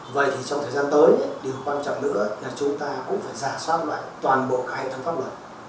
vậy thì trong thời gian tới điều quan trọng nữa là chúng ta cũng phải giả soát lại toàn bộ các hệ thống pháp luật